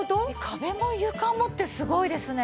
壁も床もってすごいですね。